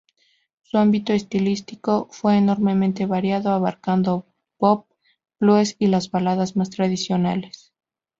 Su ámbito estilístico fue enormemente variado, abarcando bop, blues y las baladas más tradicionales.